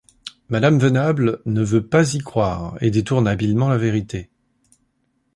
Mme Venable ne veut pas y croire et détourne habilement la vérité.